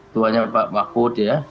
tuanya pak mahfud ya